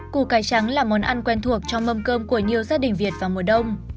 củ cải trắng là món ăn quen thuộc trong mâm cơm của nhiều gia đình việt vào mùa đông